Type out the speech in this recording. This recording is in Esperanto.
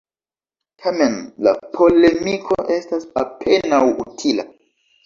Tamen, la polemiko estas apenaŭ utila.